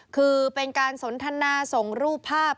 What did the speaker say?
คือเป็นการสนทนาส่งรูปภาพ